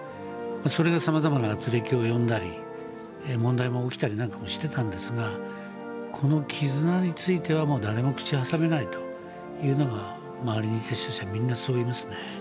それが様々なあつれきを呼んだり問題も起きたりなんかもしてたんですがこの絆については誰も口を挟めないというのが周りの出席者はみんなそう言いますね。